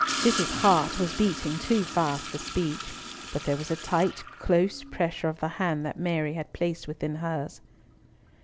Cis's heart was beating too fast for speech, but there was a tight close pressure of the hand that Mary had placed within hers.